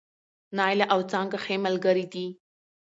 نايله او څانګه ښې ملګرې دي